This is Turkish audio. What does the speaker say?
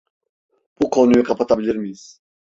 Bu konuyu kapatabilir miyiz?